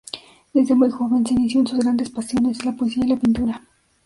Desde muy joven se inició en sus grandes pasiones: la poesía y la pintura.